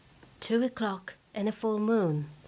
Two o'clock and a full moon.